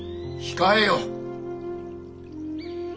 控えよ！